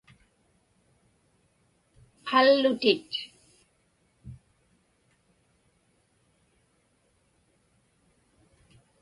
qallutit